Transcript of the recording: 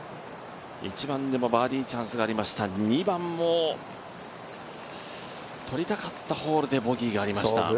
１番でもバーディーチャンスがありました、２番も取りたかったホールでボギーがありました。